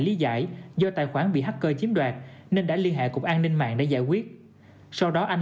lý giải do tài khoản bị hacker chiếm đoạt nên đã liên hệ cục an ninh mạng để giải quyết sau đó anh